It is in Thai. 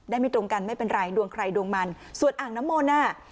ไม่ตรงกันไม่เป็นไรดวงใครดวงมันส่วนอ่างน้ำมนต์น่ะ